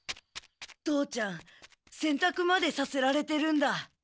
父ちゃん洗濯までさせられてるんだ。